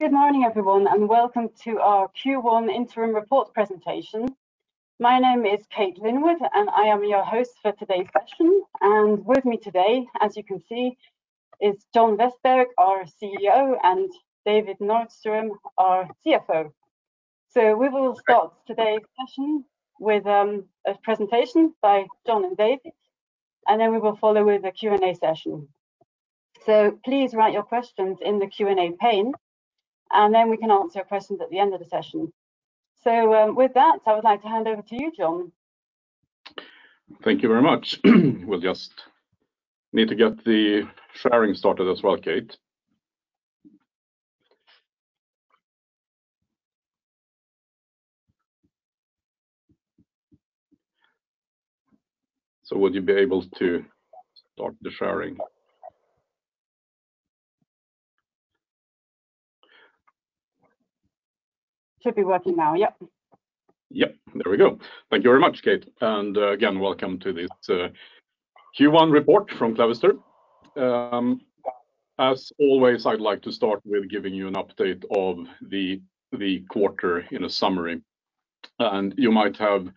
Good morning everyone, welcome to our Q1 interim report presentation. My name is Kate Linwood, I am your host for today's session. With me today, as you can see, is John Vestberg, our CEO, and David Nordström, our CFO. We will start today's session with a presentation by John and David, then we will follow with a Q&A session. Please write your questions in the Q&A pane, then we can answer questions at the end of the session. With that, I would like to hand over to you, John. Thank you very much. We'll just need to get the sharing started as well, Kate. Would you be able to start the sharing? Should be working now. Yep. There we go. Thank you very much, Kate. Again, welcome to this Q1 report from Clavister. As always, I'd like to start with giving you an update of the quarter in a summary. You might have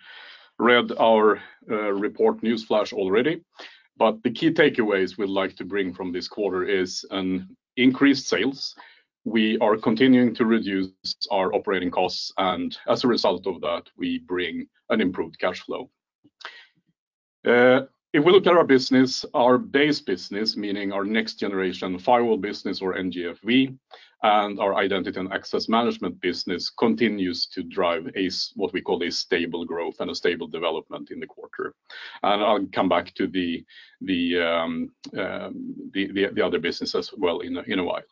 read our report newsflash already, but the key takeaways we'd like to bring from this quarter is an increased sales. We are continuing to reduce our operating costs, and as a result of that, we bring an improved cash flow. If we look at our business, our base business, meaning our Next Generation FireWall business or NGFW, and our identity and access management business, continues to drive what we call a stable growth and a stable development in the quarter. I'll come back to the other business as well in a while.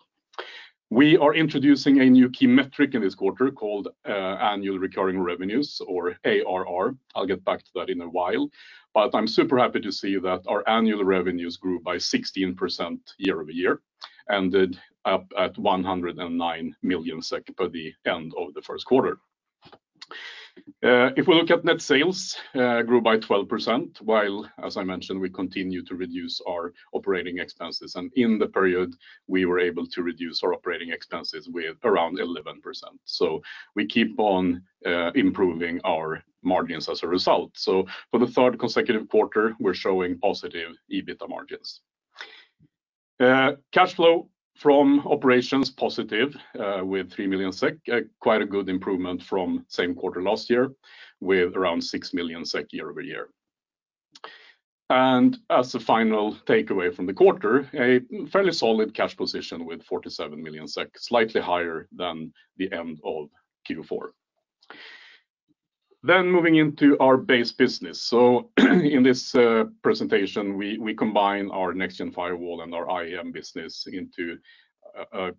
We are introducing a new key metric in this quarter called annual recurring revenues or ARR. I'll get back to that in a while. I'm super happy to see that our annual revenues grew by 16% year-over-year, ended up at 109 million SEK by the end of the first quarter. If we look at net sales, grew by 12%, while as I mentioned, we continue to reduce our operating expenses. In the period, we were able to reduce our operating expenses with around 11%. We keep on improving our margins as a result. For the third consecutive quarter, we're showing positive EBITDA margins. Cash flow from operations positive with 3 million SEK. Quite a good improvement from same quarter last year with around 6 million SEK year-over-year. As a final takeaway from the quarter, a fairly solid cash position with 47 million SEK, slightly higher than the end of Q4. Moving into our base business. In this presentation, we combine our next gen firewall and our IAM business into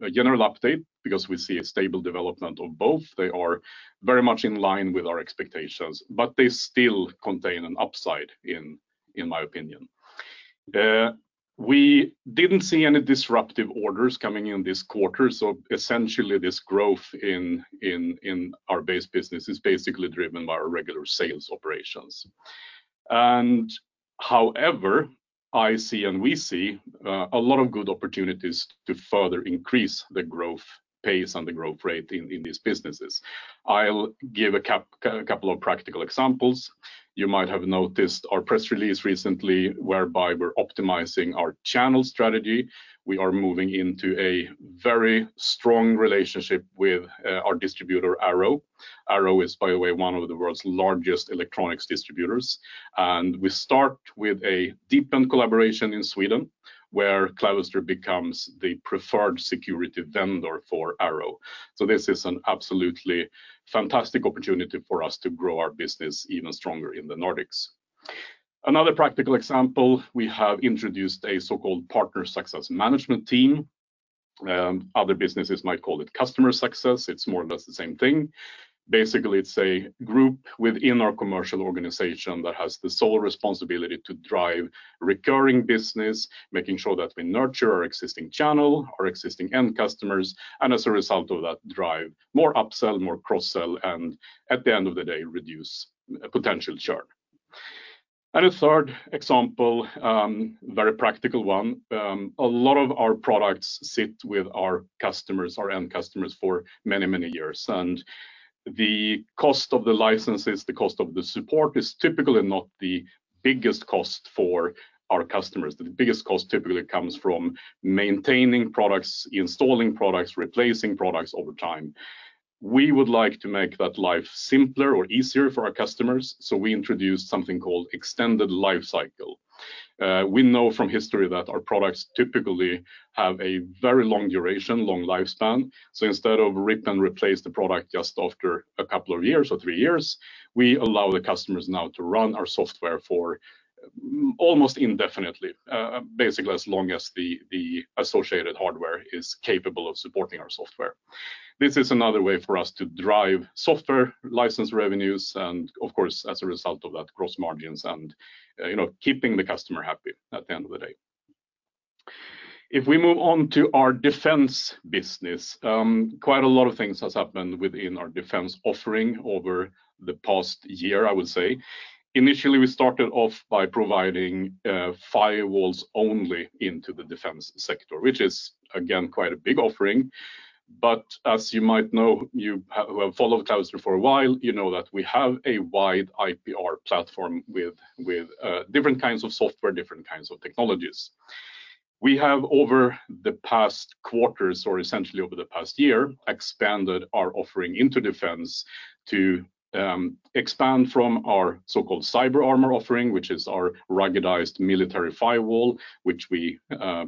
a general update because we see a stable development of both. They are very much in line with our expectations, but they still contain an upside in my opinion. We didn't see any disruptive orders coming in this quarter, so essentially this growth in our base business is basically driven by our regular sales operations. However, I see and we see a lot of good opportunities to further increase the growth pace and the growth rate in these businesses. I'll give a couple of practical examples. You might have noticed our press release recently whereby we're optimizing our channel strategy. We are moving into a very strong relationship with our distributor Arrow. Arrow is, by the way, one of the world's largest electronics distributors. We start with a deepened collaboration in Sweden, where Clavister becomes the preferred security vendor for Arrow. This is an absolutely fantastic opportunity for us to grow our business even stronger in the Nordics. Another practical example, we have introduced a so-called partner success management team. Other businesses might call it customer success. It's more or less the same thing. Basically, it's a group within our commercial organization that has the sole responsibility to drive recurring business, making sure that we nurture our existing channel, our existing end customers, and as a result of that, drive more upsell, more cross-sell, and at the end of the day, reduce potential churn. A third example, very practical one. A lot of our products sit with our customers, our end customers, for many, many years. The cost of the licenses, the cost of the support is typically not the biggest cost for our customers. The biggest cost typically comes from maintaining products, installing products, replacing products over time. We would like to make that life simpler or easier for our customers, so we introduced something called Extended Life Cycle. We know from history that our products typically have a very long duration, long lifespan. Instead of rip and replace the product just after a couple of years or three years, we allow the customers now to run our software for almost indefinitely, basically as long as the associated hardware is capable of supporting our software. This is another way for us to drive software license revenues and of course, as a result of that, gross margins and, you know, keeping the customer happy at the end of the day. We move on to our defense business, quite a lot of things has happened within our defense offering over the past year, I would say. Initially, we started off by providing firewalls only into the defense sector, which is again, quite a big offering. As you might know, who have followed Clavister for a while, you know that we have a wide IPR platform with different kinds of software, different kinds of technologies. We have, over the past quarters or essentially over the past year, expanded our offering into defense to expand from our so-called CyberArmour offering, which is our ruggedized military firewall, which we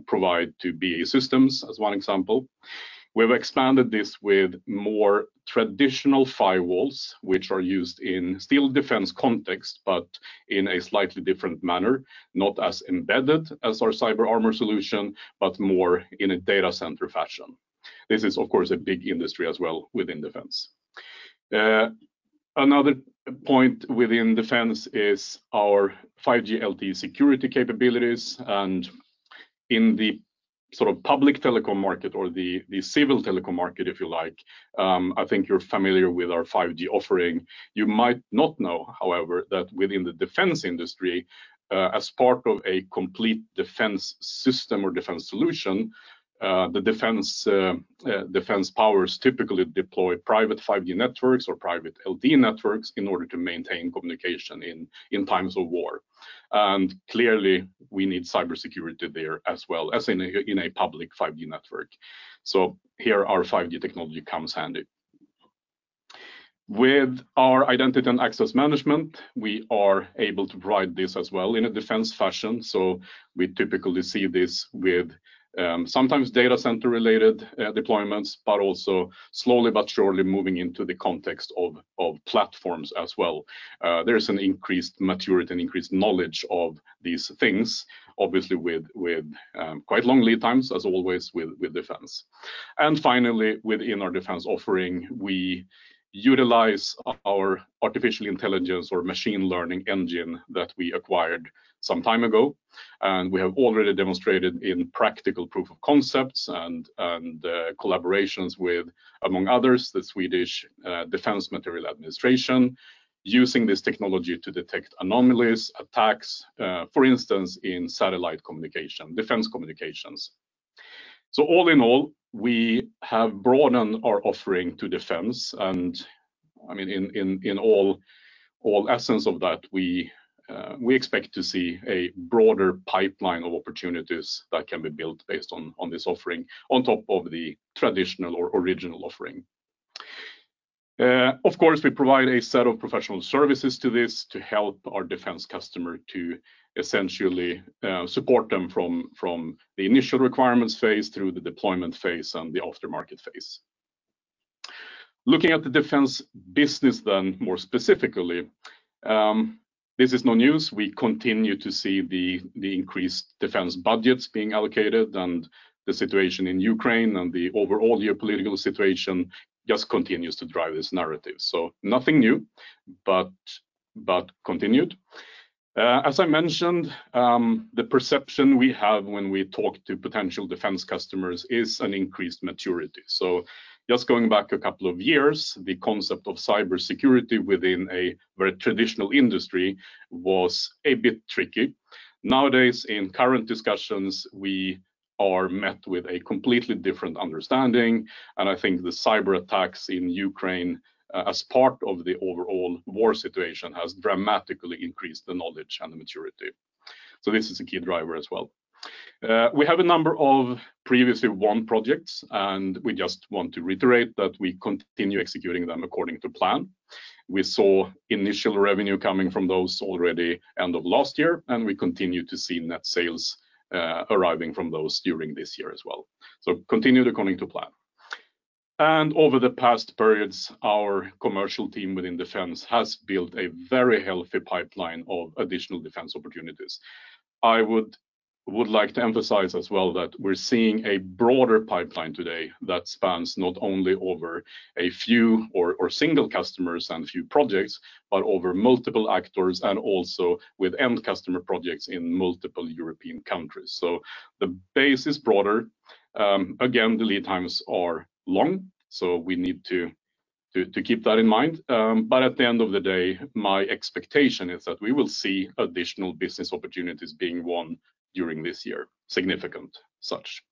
provide to BAE Systems as one example. We've expanded this with more traditional firewalls, which are used in still defense context, but in a slightly different manner, not as embedded as our CyberArmour solution, but more in a data center fashion. This is, of course, a big industry as well within defense. Another point within defense is our 5G LTE security capabilities and in the sort of public telecom market or the civil telecom market, if you like. I think you're familiar with our 5G offering. You might not know, however, that within the defense industry, as part of a complete defense system or defense solution, the defense powers typically deploy private 5G networks or private LTE networks in order to maintain communication in times of war. Clearly, we need cybersecurity there as well as in a public 5G network. Here our 5G technology comes handy. With our identity and access management, we are able to provide this as well in a defense fashion. We typically see this with sometimes data center-related deployments, but also slowly but surely moving into the context of platforms as well. There is an increased maturity and increased knowledge of these things, obviously with quite long lead times as always with defense. Finally, within our defense offering, we utilize our artificial intelligence or machine learning engine that we acquired some time ago. We have already demonstrated in practical proof of concepts and collaborations with, among others, the Swedish Defence Materiel Administration, using this technology to detect anomalies, attacks, for instance, in satellite communication, defense communications. All in all, we have broadened our offering to defense. I mean, in all essence of that, we expect to see a broader pipeline of opportunities that can be built based on this offering on top of the traditional or original offering. Of course, we provide a set of professional services to this to help our defense customer to essentially support them from the initial requirements phase through the deployment phase and the aftermarket phase. Looking at the defense business then more specifically, this is no news. We continue to see the increased defense budgets being allocated and the situation in Ukraine and the overall geopolitical situation just continues to drive this narrative. Nothing new, but continued. As I mentioned, the perception we have when we talk to potential defense customers is an increased maturity. Just going back a couple of years, the concept of cybersecurity within a very traditional industry was a bit tricky. Nowadays, in current discussions, we are met with a completely different understanding, and I think the cyberattacks in Ukraine as part of the overall war situation has dramatically increased the knowledge and the maturity. This is a key driver as well. We have a number of previously won projects, and we just want to reiterate that we continue executing them according to plan. We saw initial revenue coming from those already end of last year. We continue to see net sales arriving from those during this year as well. Continued according to plan. Over the past periods, our commercial team within defense has built a very healthy pipeline of additional defense opportunities. I would like to emphasize as well that we're seeing a broader pipeline today that spans not only over a few or single customers and a few projects, but over multiple actors and also with end customer projects in multiple European countries. The base is broader. Again, the lead times are long, so we need to keep that in mind. At the end of the day, my expectation is that we will see additional business opportunities being won during this year, significant such.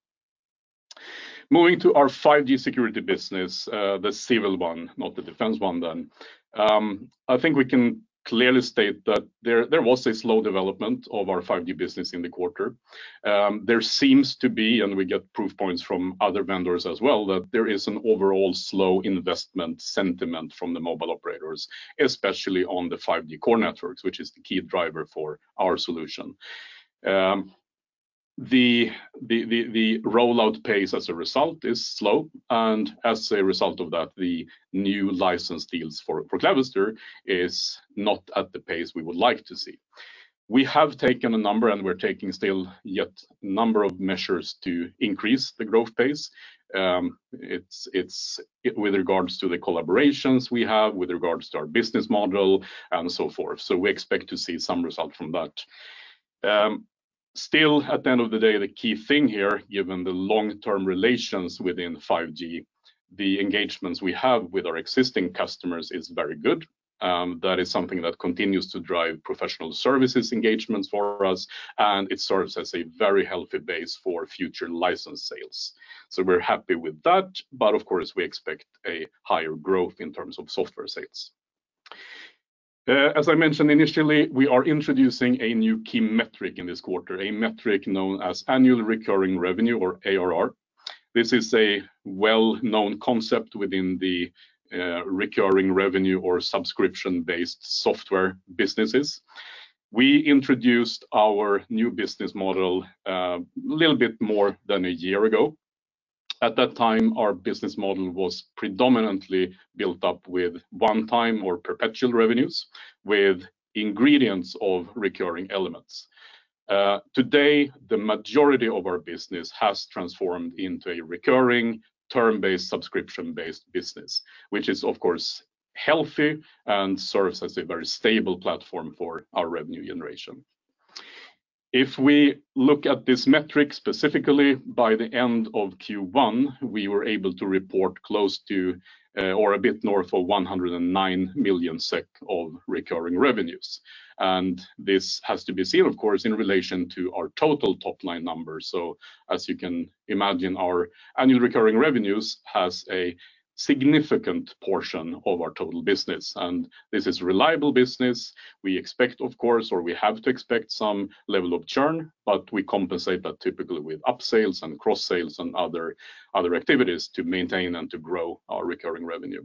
Moving to our 5G security business, the civil one, not the defense one then. I think we can clearly state that there was a slow development of our 5G business in the quarter. There seems to be, and we get proof points from other vendors as well, that there is an overall slow investment sentiment from the mobile operators, especially on the 5G core networks, which is the key driver for our solution. The rollout pace as a result is slow. As a result of that, the new license deals for Clavister is not at the pace we would like to see. We have taken a number, and we're taking still yet number of measures to increase the growth pace. It's with regards to the collaborations we have, with regards to our business model and so forth. We expect to see some result from that. Still, at the end of the day, the key thing here, given the long-term relations within 5G, the engagements we have with our existing customers is very good. That is something that continues to drive professional services engagements for us, and it serves as a very healthy base for future license sales. We're happy with that, but of course, we expect a higher growth in terms of software sales. As I mentioned initially, we are introducing a new key metric in this quarter, a metric known as annual recurring revenue, or ARR. This is a well-known concept within the recurring revenue or subscription-based software businesses. We introduced our new business model a little bit more than a year ago. At that time, our business model was predominantly built up with one-time or perpetual revenues with ingredients of recurring elements. Today, the majority of our business has transformed into a recurring term-based, subscription-based business, which is, of course, healthy and serves as a very stable platform for our revenue generation. If we look at this metric specifically, by the end of Q1, we were able to report close to, or a bit north of 109 million SEK of recurring revenues. This has to be seen, of course, in relation to our total top-line number. As you can imagine, our annual recurring revenues has a significant portion of our total business, and this is reliable business. We expect, of course, or we have to expect some level of churn, but we compensate that typically with upsales and cross sales and other activities to maintain and to grow our recurring revenue.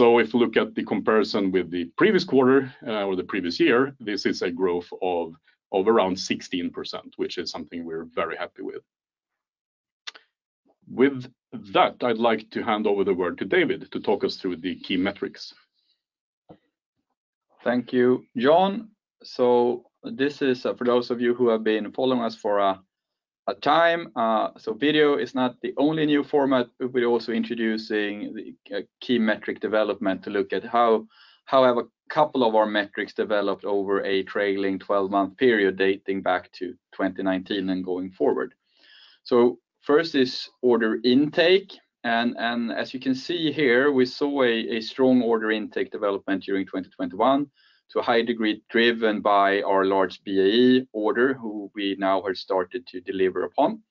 If you look at the comparison with the previous quarter, or the previous year, this is a growth of around 16%, which is something we're very happy with. With that, I'd like to hand over the word to David to talk us through the key metrics. Thank you, John. This is for those of you who have been following us for a time. Video is not the only new format. We're also introducing the key metric development to look at how have a couple of our metrics developed over a trailing 12-month period dating back to 2019 and going forward. First is order intake. As you can see here, we saw a strong order intake development during 2021 to a high degree driven by our large BAE order, who we now have started to deliver upon.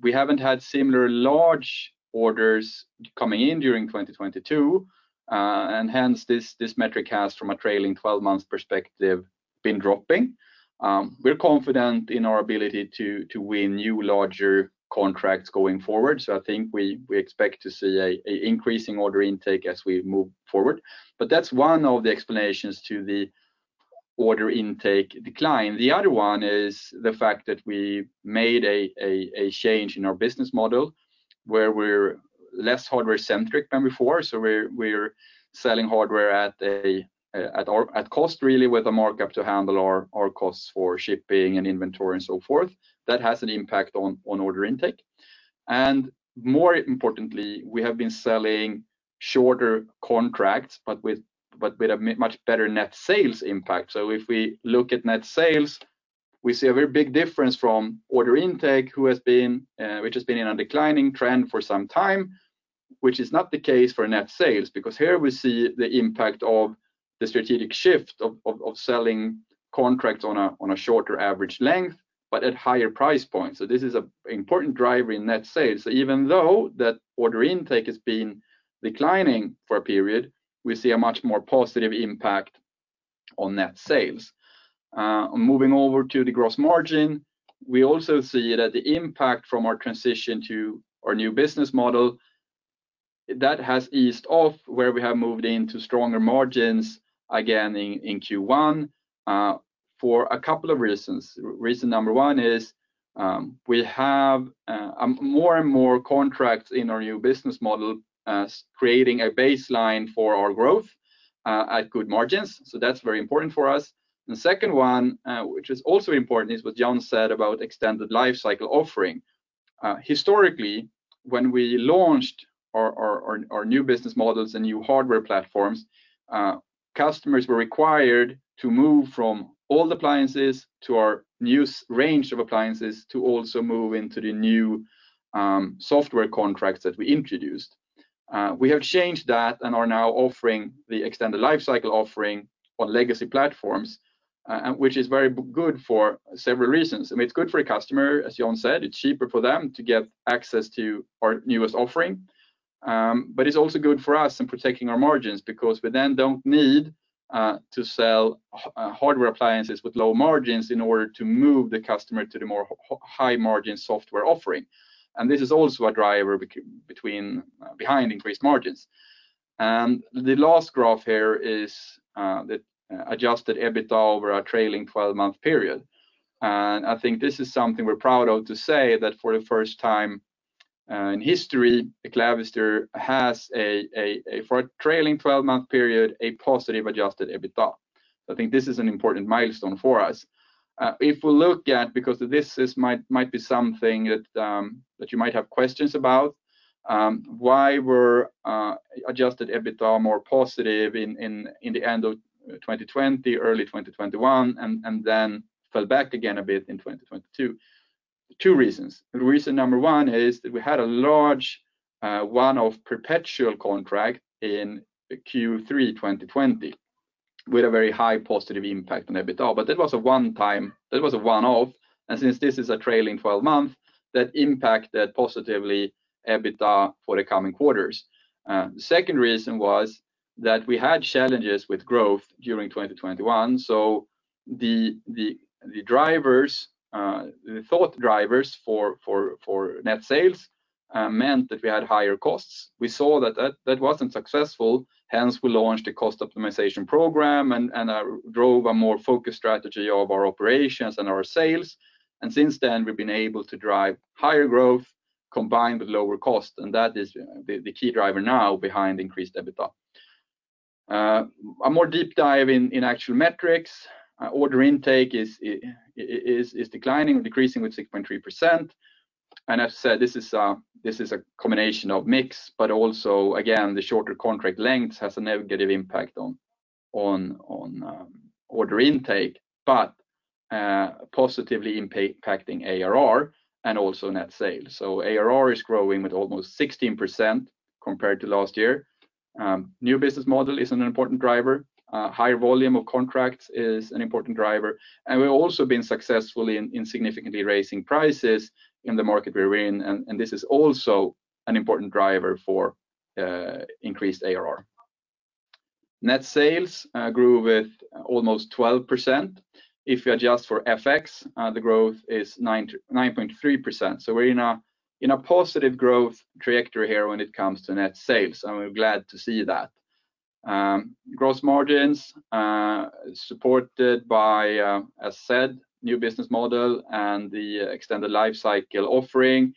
We haven't had similar large orders coming in during 2022, and hence this metric has, from a trailing 12-month perspective, been dropping. We're confident in our ability to win new larger contracts going forward. I think we expect to see an increasing order intake as we move forward. That's one of the explanations to the order intake decline. The other one is the fact that we made a change in our business model where we're less hardware-centric than before. We're selling hardware at cost really with a markup to handle our costs for shipping and inventory and so forth. That has an impact on order intake. More importantly, we have been selling shorter contracts, but with a much better net sales impact. If we look at net sales, we see a very big difference from order intake, which has been in a declining trend for some time, which is not the case for net sales. Because here we see the impact of the strategic shift of selling contracts on a shorter average length, but at higher price points. This is an important driver in net sales. Even though that order intake has been declining for a period, we see a much more positive impact on net sales. Moving over to the gross margin, we also see that the impact from our transition to our new business model, that has eased off where we have moved into stronger margins again in Q1 for a couple of reasons. Reason number one is, we have more and more contracts in our new business model, creating a baseline for our growth at good margins. That's very important for us. The second one, which is also important, is what John said about Extended Life Cycle offering. Historically, when we launched our new business models and new hardware platforms, customers were required to move from old appliances to our new s- range of appliances to also move into the new software contracts that we introduced. We have changed that and are now offering the Extended Life Cycle offering on legacy platforms, which is very good for several reasons. I mean, it's good for a customer, as John said. It's cheaper for them to get access to our newest offering. It's also good for us in protecting our margins because we then don't need to sell hardware appliances with low margins in order to move the customer to the more high-margin software offering. This is also a driver behind increased margins. The last graph here is the adjusted EBITDA over our trailing 12-month period. I think this is something we're proud of to say that for the first time in history, Clavister has for a trailing 12-month period, a positive adjusted EBITDA. I think this is an important milestone for us. Because this is might be something that you might have questions about, why were adjusted EBITDA more positive in the end of 2020, early 2021, and then fell back again a bit in 2022? Two reasons. The reason number one is that we had a large one-off perpetual contract in Q3 2020 with a very high positive impact on EBITDA. That was a one-off, and since this is a trailing 12-month, that impacted positively EBITDA for the coming quarters. The second reason was that we had challenges with growth during 2021, the drivers, the thought drivers for net sales meant that we had higher costs. We saw that that wasn't successful, hence we launched a cost optimization program and drove a more focused strategy of our operations and our sales. Since then, we've been able to drive higher growth combined with lower cost, and that is the key driver now behind increased EBITDA. A more deep dive in actual metrics. Order intake is declining, decreasing with 6.3%. As I said, this is, this is a combination of mix, but also again, the shorter contract length has a negative impact on order intake, but positively impacting ARR and also net sales. ARR is growing with almost 16% compared to last year. New business model is an important driver. Higher volume of contracts is an important driver. We've also been successful in significantly raising prices in the market we're in, and this is also an important driver for increased ARR. Net sales grew with almost 12%. If you adjust for FX, the growth is 9.3%. We're in a positive growth trajectory here when it comes to net sales, and we're glad to see that. Gross margins, supported by, as said, new business model and the extended life cycle offering.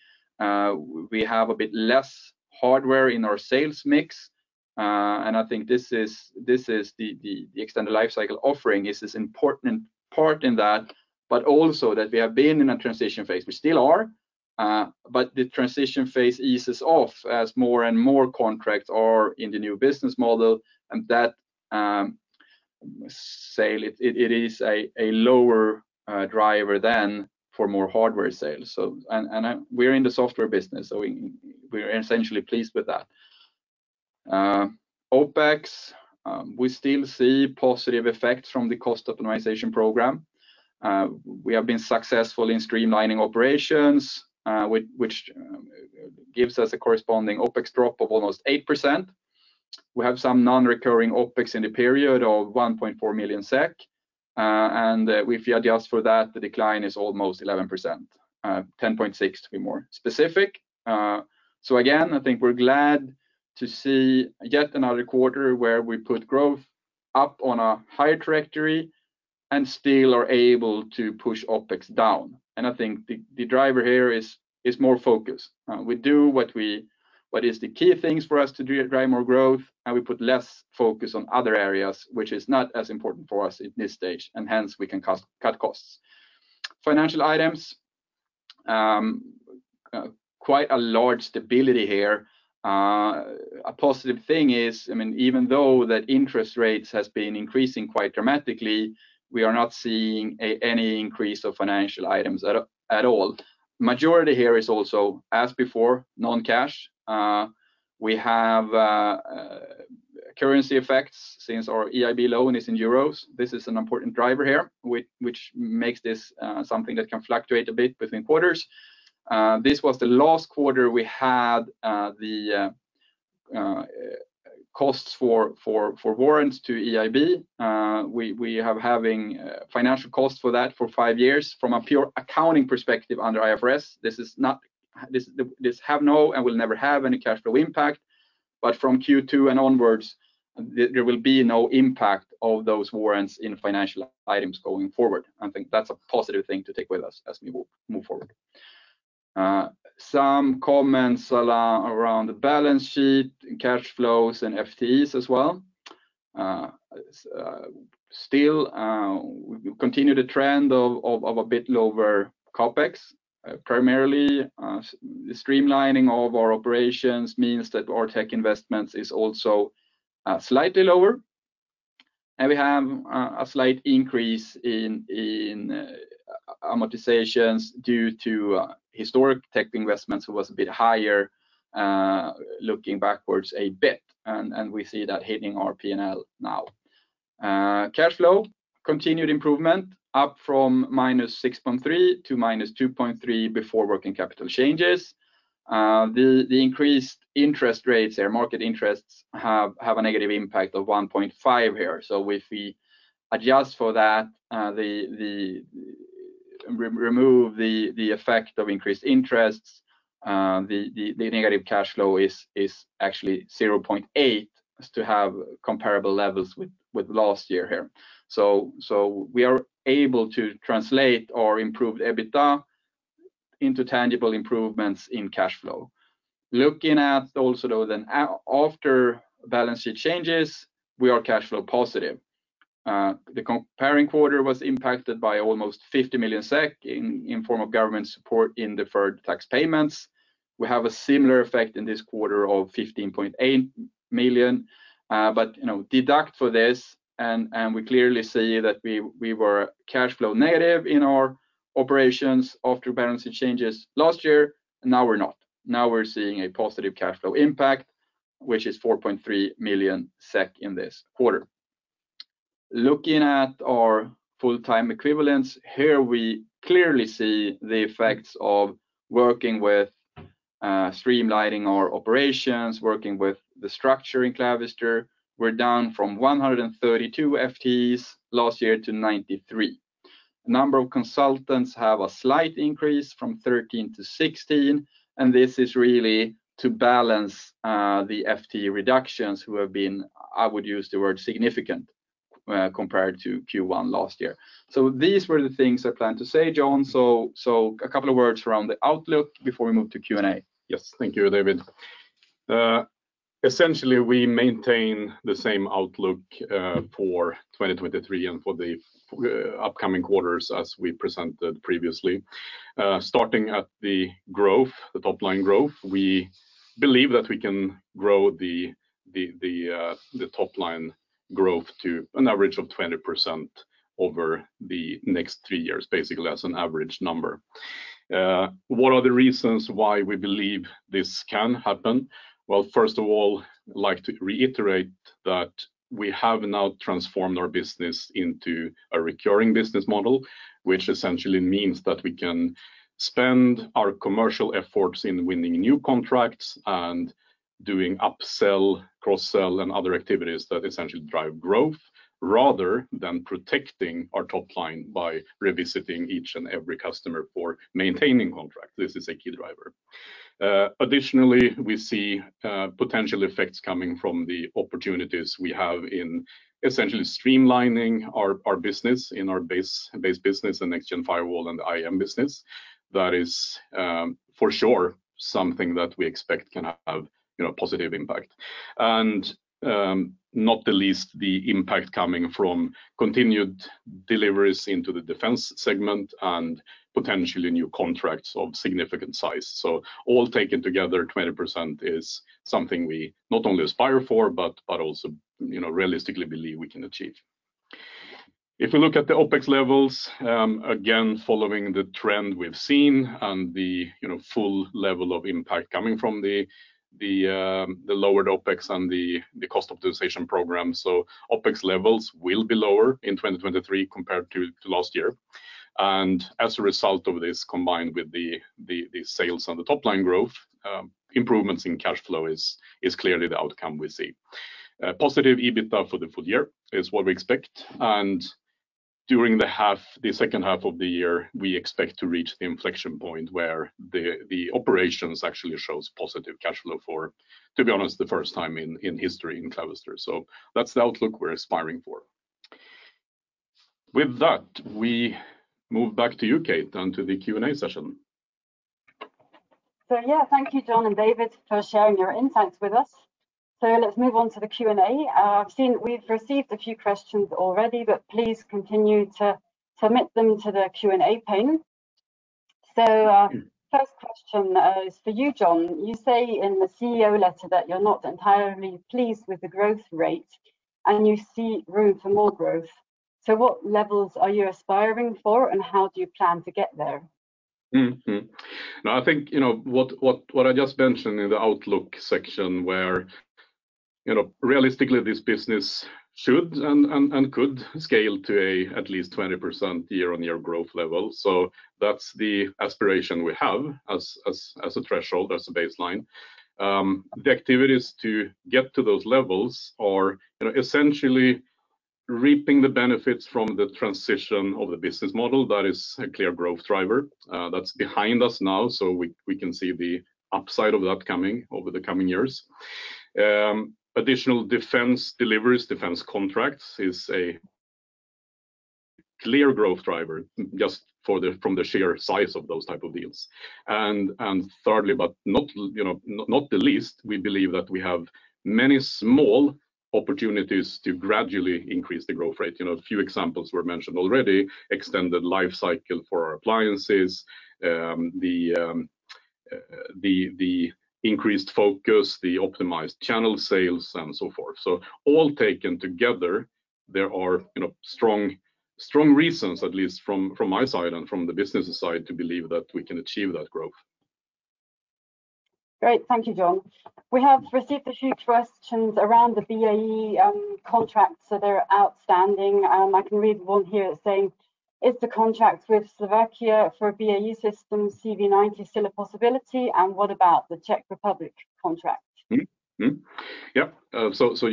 We have a bit less hardware in our sales mix, and I think this is the extended life cycle offering is this important part in that, but also that we have been in a transition phase. We still are, but the transition phase eases off as more and more contracts are in the new business model, and that sale, it is a lower driver than for more hardware sales. We're in the software business, so we're essentially pleased with that. OpEx, we still see positive effects from the cost optimization program. We have been successful in streamlining operations, which gives us a corresponding OpEx drop of almost 8%. We have some non-recurring OpEx in the period of 1.4 million SEK. If you adjust for that, the decline is almost 11%, 10.6% to be more specific. Again, I think we're glad to see yet another quarter where we put growth up on a higher trajectory and still are able to push OpEx down. I think the driver here is more focus. We do what is the key things for us to do to drive more growth. We put less focus on other areas, which is not as important for us in this stage. Hence we can cut costs. Financial items, quite a large stability here. A positive thing is, I mean, even though that interest rates has been increasing quite dramatically, we are not seeing any increase of financial items at all. Majority here is also, as before, non-cash. We have currency effects since our EIB loan is in euros. This is an important driver here which makes this something that can fluctuate a bit between quarters. This was the last quarter we had the costs for warrants to EIB. We have having financial costs for that for five years. From a pure accounting perspective under IFRS, this is not this have no and will never have any cash flow impact. From Q2 and onwards, there will be no impact of those warrants in financial items going forward. I think that's a positive thing to take with us as we move forward. Some comments around the balance sheet, cash flows, and FTEs as well. Still, we continue the trend of a bit lower CapEx. Primarily, streamlining of our operations means that our tech investments is also slightly lower. We have a slight increase in amortizations due to historic tech investments was a bit higher, looking backwards a bit. We see that hitting our P&L now. Cash flow, continued improvement up from minus 6.3 to minus 2.3 before working capital changes. The increased interest rates or market interests have a negative impact of 1.5 here. If we adjust for that, the... Remove the effect of increased interests, the negative cash flow is actually 0.8 million as to have comparable levels with last year here. We are able to translate our improved EBITDA into tangible improvements in cash flow. Looking at also, though, then after balance sheet changes, we are cash flow positive. The comparing quarter was impacted by almost 50 million SEK in form of government support in deferred tax payments. We have a similar effect in this quarter of 15.8 million. You know, deduct for this and we clearly see that we were cash flow negative in our operations after balance sheet changes last year, and now we're not. We're seeing a positive cash flow impact, which is 4.3 million SEK in this quarter. Looking at our full-time equivalents, here we clearly see the effects of working with streamlining our operations, working with the structure in Clavister. We're down from 132 FTEs last year to 93. Number of consultants have a slight increase from 13-16, and this is really to balance the FTE reductions who have been, I would use the word, significant compared to Q1 last year. These were the things I planned to say, John. A couple of words around the outlook before we move to Q&A. Yes. Thank you, David. Essentially, we maintain the same outlook for 2023 and for the upcoming quarters as we presented previously. Starting at the growth, the top-line growth, we believe that we can grow the top-line growth to an average of 20% over the next three years, basically as an average number. What are the reasons why we believe this can happen? Well, first of all, I'd like to reiterate that we have now transformed our business into a recurring business model, which essentially means that we can spend our commercial efforts in winning new contracts and doing upsell, cross-sell, and other activities that essentially drive growth, rather than protecting our top line by revisiting each and every customer for maintaining contract. This is a key driver. Additionally, we see potential effects coming from the opportunities we have in essentially streamlining our business in our base business, the Next-Gen Firewall and the IM business. That is, for sure, something that we expect can have, you know, a positive impact. Not the least, the impact coming from continued deliveries into the defense segment and potentially new contracts of significant size. All taken together, 20% is something we not only aspire for, but also, you know, realistically believe we can achieve. If we look at the OpEx levels, again, following the trend we've seen and the, you know, full level of impact coming from the lowered OpEx and the cost optimization program. OpEx levels will be lower in 2023 compared to last year. As a result of this, combined with the sales and the top-line growth, improvements in cash flow is clearly the outcome we see. Positive EBITDA for the full year is what we expect. During the half, the second half of the year, we expect to reach the inflection point where the operations actually shows positive cash flow for, to be honest, the first time in history in Clavister. That's the outlook we're aspiring for. With that, we move back to you, Kate, on to the Q&A session. Yeah, thank you, John and David, for sharing your insights with us. Let's move on to the Q&A. I've seen we've received a few questions already, but please continue to submit them to the Q&A pane. First question is for you, John. You say in the CEO letter that you're not entirely pleased with the growth rate, and you see room for more growth. What levels are you aspiring for, and how do you plan to get there? Mm-hmm. No, I think, you know, what I just mentioned in the outlook section where, you know, realistically, this business should and could scale to a- at least 20% year-on-year growth level. That's the aspiration we have as a threshold, as a baseline. The activities to get to those levels are, you know, essentially reaping the benefits from the transition of the business model. That is a clear growth driver. That's behind us now, so we can see the upside of that coming over the coming years. Additional defense deliveries, defense contracts is a clear growth driver just from the sheer size of those type of deals. Thirdly, but not, you know, not the least, we believe that we have many small opportunities to gradually increase the growth rate. You know, a few examples were mentioned already, extended life cycle for our appliances, the increased focus, the optimized channel sales, and so forth. All taken together, there are, you know, strong reasons, at least from my side and from the business side, to believe that we can achieve that growth. Great. Thank you, John. We have received a few questions around the BAE contracts that are outstanding. I can read one here saying, "Is the contract with Slovakia for BAE Systems CV90 still a possibility? What about the Czech Republic contract? Mm-hmm. Mm-hmm. Yep.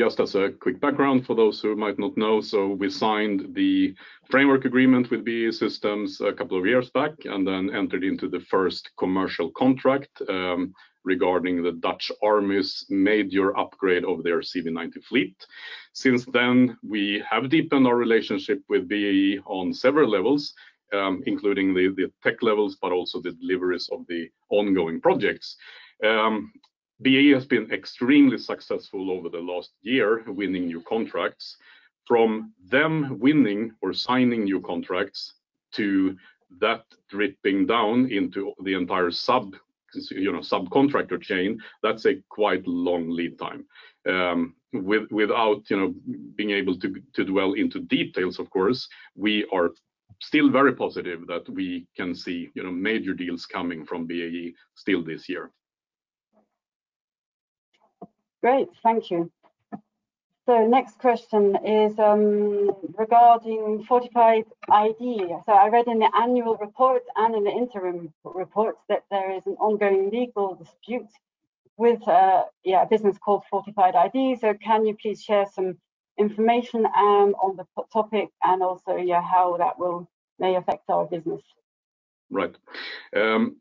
Just as a quick background for those who might not know. We signed the framework agreement with BAE Systems a couple of years back and then entered into the first commercial contract regarding the Dutch Army's major upgrade of their CV90 fleet. We have deepened our relationship with BAE on several levels, including the tech levels, but also the deliveries of the ongoing projects. BAE has been extremely successful over the last year winning new contracts. From them winning or signing new contracts to that dripping down into the entire sub, you know, subcontractor chain, that's a quite long lead time. Without, you know, being able to dwell into details, of course, we are still very positive that we can see, you know, major deals coming from BAE still this year. Great. Thank you. Next question is regarding Fortified ID. I read in the annual report and in the interim report that there is an ongoing legal dispute with a, yeah, a business called Fortified ID. Can you please share some information on the topic and also, yeah, how that may affect our business? Right.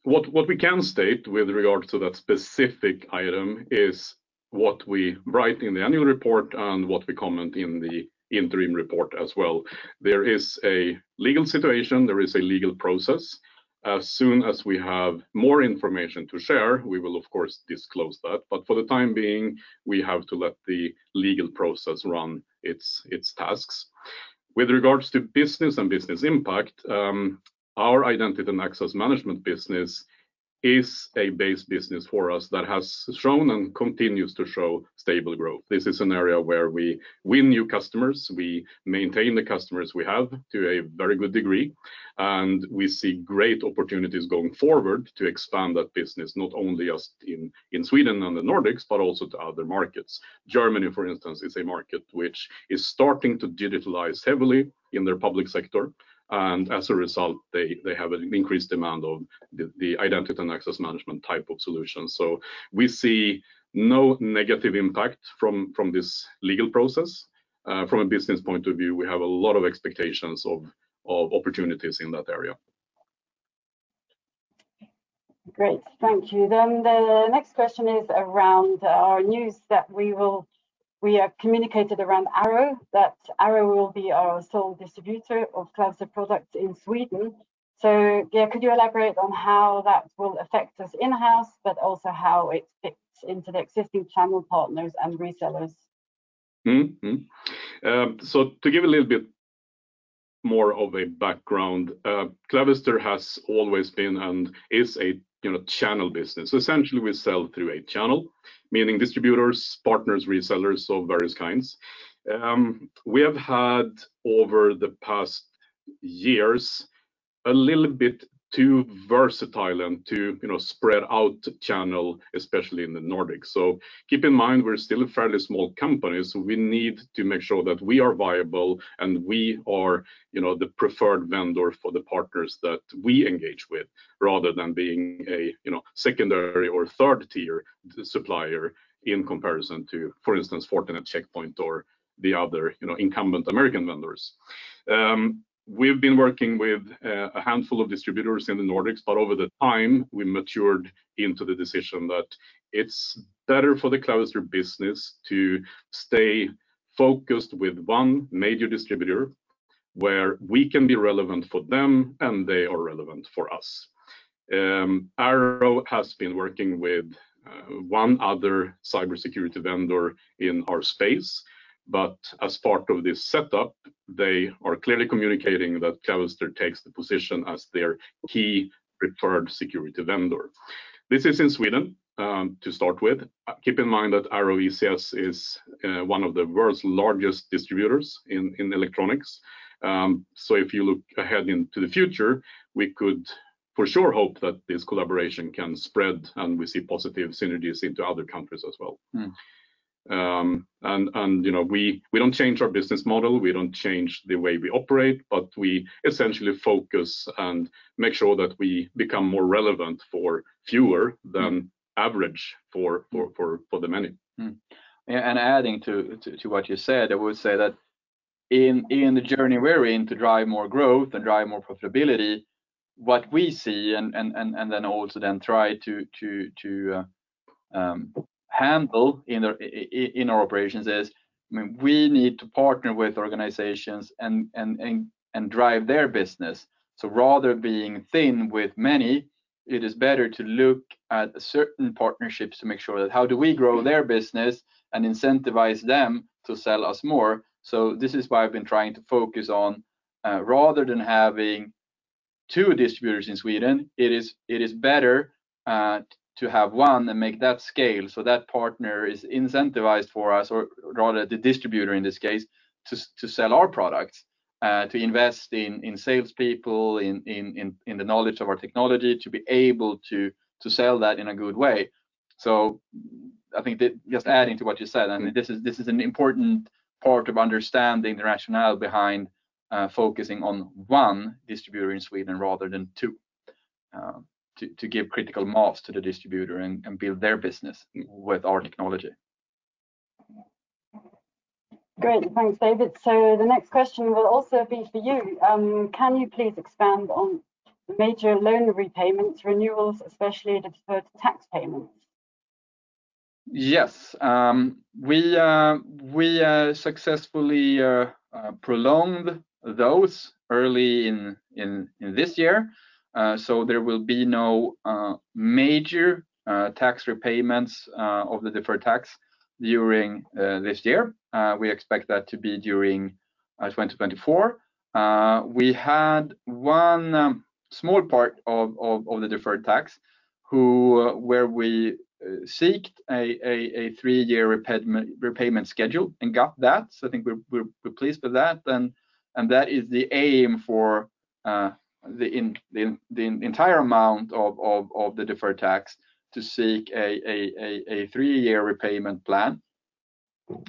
What we can state with regards to that specific item is what we write in the annual report and what we comment in the interim report as well. There is a legal situation. There is a legal process. As soon as we have more information to share, we will of course disclose that. For the time being, we have to let the legal process run its tasks. With regards to business and business impact, our Identity and Access Management business is a base business for us that has shown and continues to show stable growth. This is an area where we win new customers, we maintain the customers we have to a very good degree, and we see great opportunities going forward to expand that business, not only just in Sweden and the Nordics, but also to other markets. Germany, for instance, is a market which is starting to digitalize heavily in their public sector, and as a result, they have an increased demand of the identity and access management type of solution. We see no negative impact from this legal process. From a business point of view, we have a lot of expectations of opportunities in that area. Great. Thank you. The next question is around our news that we have communicated around Arrow, that Arrow will be our sole distributor of Clavister products in Sweden. Yeah, could you elaborate on how that will affect us in-house, but also how it fits into the existing channel partners and resellers? To give a little bit more of a background, Clavister has always been and is a channel business. Essentially, we sell through a channel, meaning distributors, partners, resellers of various kinds. We have had over the past years a little bit too versatile and too spread out channel, especially in the Nordics. Keep in mind we're still a fairly small company, we need to make sure that we are viable and we are the preferred vendor for the partners that we engage with rather than being a secondary or third-tier supplier in comparison to, for instance, Fortinet, Check Point or the other incumbent American vendors. We've been working with a handful of distributors in the Nordics, but over the time, we matured into the decision that it's better for the Clavister business to stay focused with one major distributor where we can be relevant for them and they are relevant for us. Arrow has been working with one other cybersecurity vendor in our space, but as part of this setup, they are clearly communicating that Clavister takes the position as their key preferred security vendor. This is in Sweden to start with. Keep in mind that Arrow ECS is one of the world's largest distributors in electronics. If you look ahead into the future, we could for sure hope that this collaboration can spread, and we see positive synergies into other countries as well. Mm-hmm. You know, we don't change our business model, we don't change the way we operate, but we essentially focus and make sure that we become more relevant for fewer than average for the many. Mm-hmm. Yeah, adding to what you said, I would say that in the journey we're in to drive more growth and drive more profitability, what we see then also then try to handle in our operations is, I mean, we need to partner with organizations and drive their business. Rather being thin with many, it is better to look at certain partnerships to make sure that how do we grow their business and incentivize them to sell us more. This is why I've been trying to focus on, rather than having two distributors in Sweden, it is better to have one and make that scale so that partner is incentivized for us, or rather the distributor in this case, to sell our products, to invest in salespeople, in the knowledge of our technology to be able to sell that in a good way. I think that just adding to what you said, I mean, this is an important part of understanding the rationale behind, focusing on one distributor in Sweden rather than two, to give critical mass to the distributor and build their business with our technology. Great. Thanks, David. The next question will also be for you. Can you please expand on major loan repayments, renewals, especially deferred tax payments? Yes. We successfully prolonged those early in this year. There will be no major tax repayments of the deferred tax during this year. We expect that to be during 2024. We had one... Small part of the deferred tax who where we seeked a three-year repayment schedule and got that. I think we're pleased with that. That is the aim for the entire amount of the deferred tax to seek a three-year repayment plan.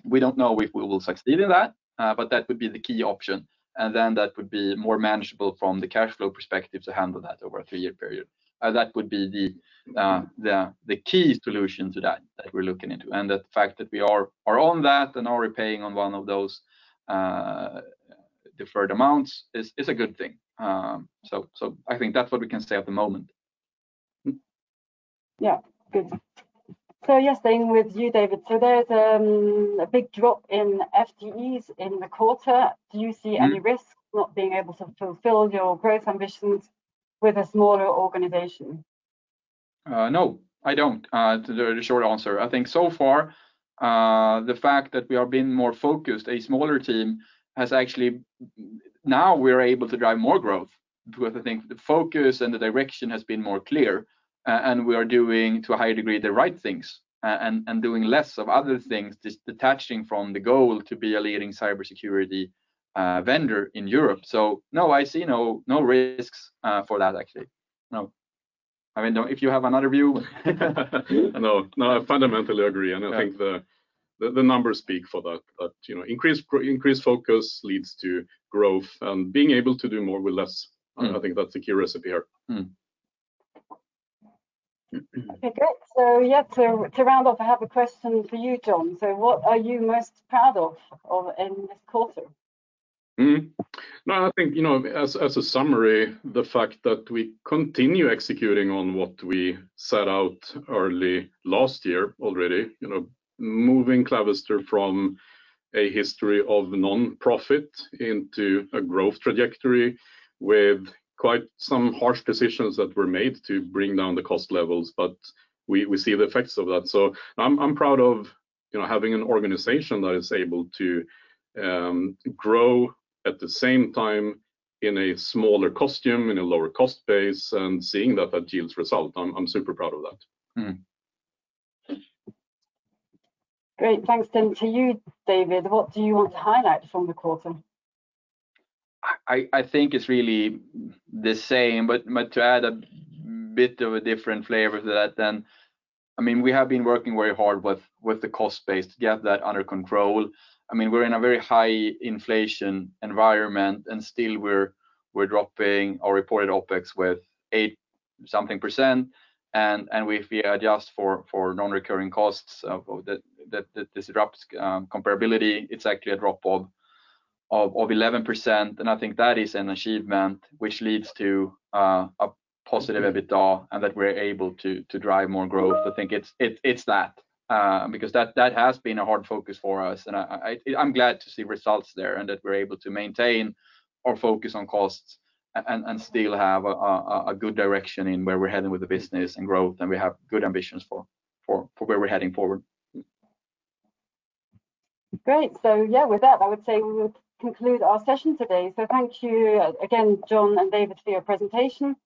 We don't know if we will succeed in that, but that would be the key option. That would be more manageable from the cash flow perspective to handle that over a three-year period. That would be the key solution to that we're looking into. The fact that we are on that and are repaying on one of those deferred amounts is a good thing. I think that's what we can say at the moment. Mm. Yeah. Good. Staying with you, David. There's a big drop in FTEs in the quarter. Mm. Do you see any risk not being able to fulfill your growth ambitions with a smaller organization? No, I don't, the short answer. I think so far, the fact that we are being more focused, a smaller team has actually. Now we're able to drive more growth because I think the focus and the direction has been more clear. And we are doing, to a higher degree, the right things and doing less of other things, just detaching from the goal to be a leading cybersecurity vendor in Europe. No, I see no risks for that actually. No. I mean, if you have another view. No, no, I fundamentally agree. Yeah. I think the numbers speak for that. You know, increased focus leads to growth and being able to do more with less. Mm. I think that's the key recipe here. Mm. Okay, great. Yeah, to round off, I have a question for you, John. What are you most proud of in this quarter? I think, you know, as a summary, the fact that we continue executing on what we set out early last year already, you know, moving Clavister from a history of nonprofit into a growth trajectory with quite some harsh decisions that were made to bring down the cost levels, we see the effects of that. I'm proud of, you know, having an organization that is able to grow at the same time in a smaller costume, in a lower cost base, and seeing that that yields result. I'm super proud of that. Mm. Great. Thanks. To you, David, what do you want to highlight from the quarter? I think it's really the same, but to add a bit of a different flavor to that then, I mean, we have been working very hard with the cost base to get that under control. I mean, we're in a very high inflation environment, and still we're dropping our reported OpEx with eight something percent. If we adjust for non-recurring costs that disrupts comparability, it's actually a drop of 11%. I think that is an achievement which leads to a positive EBITDA and that we're able to drive more growth. I think it's that because that has been a hard focus for us. I'm glad to see results there that we're able to maintain our focus on costs and still have a good direction in where we're heading with the business and growth. We have good ambitions for where we're heading forward. Great. Yeah, with that, I would say we would conclude our session today. Thank you again, John and David, for your presentation.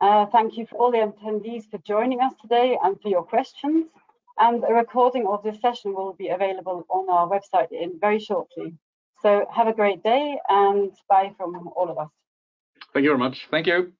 Thank you for all the attendees for joining us today and for your questions. A recording of this session will be available on our website in very shortly. Have a great day and bye from all of us. Thank you very much. Thank you.